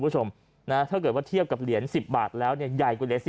คุณผู้ชมนะถ้าเกิดว่าเทียบกับเหรียญ๑๐บาทแล้วเนี่ยใหญ่กว่าเหรียญ๑๐